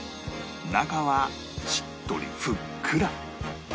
中はしっとりふっくら